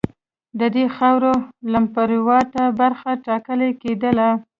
د دې خاورې لمرپرېواته برخه ټاکله کېدله.